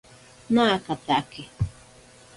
Naakatake.